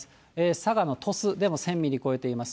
佐賀の鳥栖でも１０００ミリを超えています。